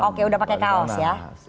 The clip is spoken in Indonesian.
oke udah pakai kaos ya